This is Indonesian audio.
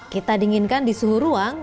kita dinginkan di suhu ruang